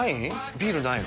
ビールないの？